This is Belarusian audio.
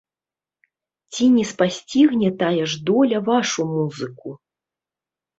Ці не спасцігне тая ж доля вашу музыку?